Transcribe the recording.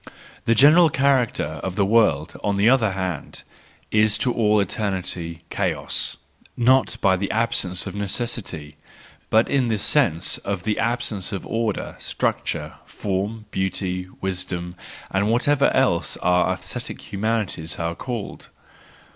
The general character of the world, on the other hand, is to all eternity chaos; not by the absence of necessity, but in the sense of the absence of order, structure, form, beauty, wisdom, and whatever else our aesthetic humanities are called.